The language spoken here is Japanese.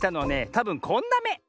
たぶんこんなめ。